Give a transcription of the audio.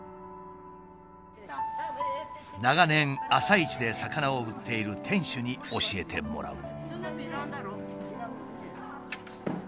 長年朝市で魚を売っている店主に教えてもらう。